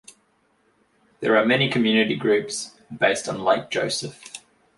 There are many community groups based on Lake Joseph.